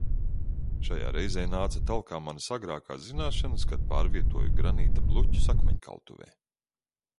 Šajā reizē nāca talkā manas agrākās zināšanas, kad pārvietoju granīta bluķus akmeņkaltuvē.